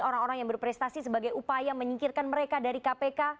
orang orang yang berprestasi sebagai upaya menyingkirkan mereka dari kpk